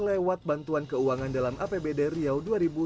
lewat bantuan keuangan dalam apbd riau dua ribu dua puluh